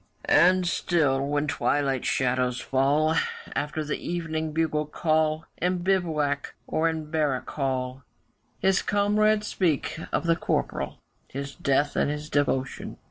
And still when twilight shadows fall, After the evening bugle call, In bivouac or in barrack hall, His comrades speak of the Corporal, His death and his devotion.